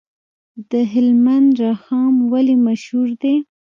د هلمند رخام ولې مشهور دی؟